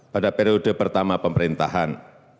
pada periode pertama pemerintahan